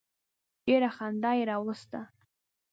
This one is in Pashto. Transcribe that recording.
ډېره خندا یې راوسته.